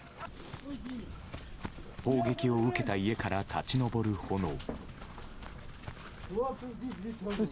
砲撃を受けた家から立ち上る炎。